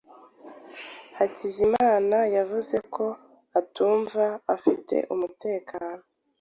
Hakizimana yavuze ko atumva afite umutekano.